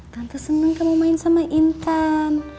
tante senang kamu main sama intan